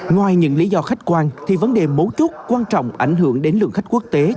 ngoài những lý do khách quan thì vấn đề mấu chốt quan trọng ảnh hưởng đến lượng khách quốc tế